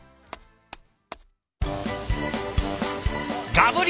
ガブリ！